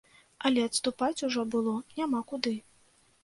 Але адступаць ужо было няма куды.